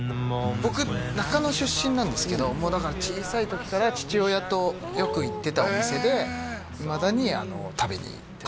僕中野出身なんですけどだから小さい時から父親とよく行ってたお店でいまだに食べに行ってます